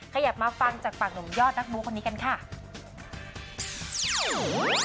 ขยับมาฟังจากปากหนุ่มยอดนักมูคนนี้กันค่ะ